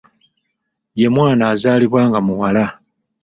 Ye mwana azaalibwa nga muwala.